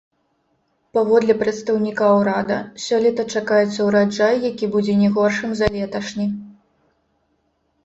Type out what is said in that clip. Паводле прадстаўніка ўрада, сёлета чакаецца ўраджай, які будзе не горшым за леташні.